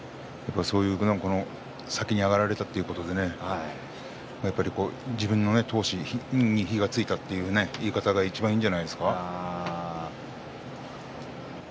先に上がられてしまったということで自分の闘志に火がついてしまったという言い方がいちばん、いいんじゃないですか。